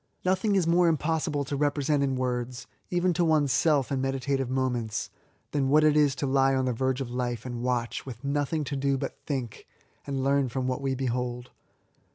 Nothing is more impossible to represent in words, even to one's self in meditative moments, than what it is to lie on the verge of life and watch, with nothing to do but to think, and learn from what we behold.